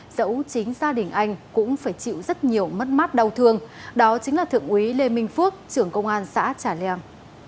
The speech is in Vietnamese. dẫu chính gia đình anh cũng phải chịu rất nhiều mất mát đau thương đó chính là thượng úy lê minh phước trưởng công an xã trà leang